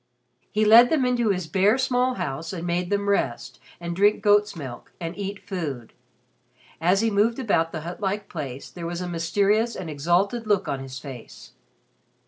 He led them into his bare small house and made them rest, and drink goat's milk, and eat food. As he moved about the hut like place, there was a mysterious and exalted look on his face.